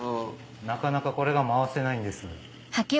なかなかこれが回せないんです。